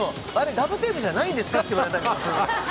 ガムテープじゃないんですかって言われたり。